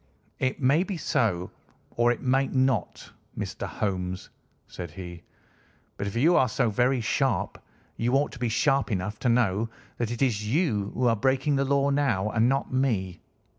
"It may be so, or it may not, Mr. Holmes," said he, "but if you are so very sharp you ought to be sharp enough to know that it is you who are breaking the law now, and not me.